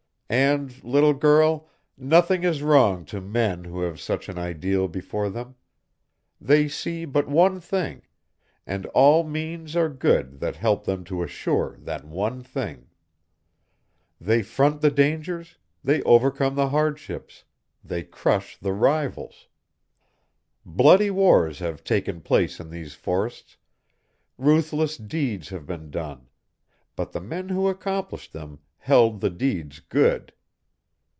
"And, little girl, nothing is wrong to men who have such an ideal before them. They see but one thing, and all means are good that help them to assure that one thing. They front the dangers, they overcome the hardships, they crush the rivals. Bloody wars have taken place in these forests, ruthless deeds have been done, but the men who accomplished them held the deeds good.